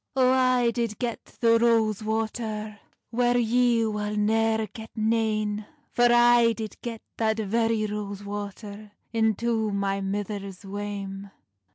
"O I did get the rose water Whair ye wull neir get nane, For I did get that very rose water Into my mither's wame."